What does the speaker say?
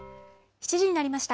７時になりました。